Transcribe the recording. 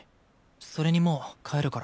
それにもう帰るから。